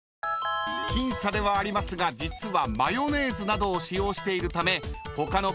［僅差ではありますが実は］